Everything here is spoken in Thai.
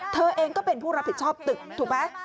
เธอเองก็เป็นผู้รับผิดชอบตึกถูกไหม